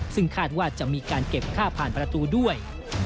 ซึ่งคาดว่าจะมีการเก็บค่าผ่านประตูด้วย